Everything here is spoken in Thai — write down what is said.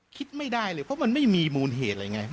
คิดไม่ได้เลยเพราะมันไม่มีมูลเหตุอะไรไง